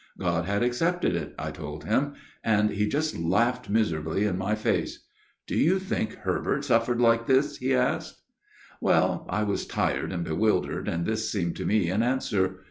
God had accepted it, I told him ; and he just laughed miserably in my face. "' Do you think Herbert suffered like this ?' he asked. " Well, I was tired and bewildered, and this seemed to me an answer.